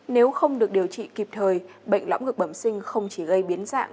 nếu không được điều trị kịp thời bệnh lõm ngực bẩm sinh không chỉ gây biến dạng